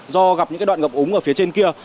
do gặp những đoạn ngập úng ở phía trên kia